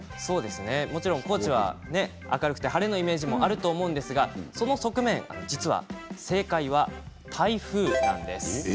もちろん高知は明るくて晴れのイメージもあると思うんですがその側面実は正解は台風なんです。